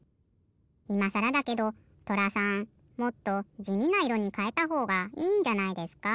いまさらだけどとらさんもっとじみないろにかえたほうがいいんじゃないですか？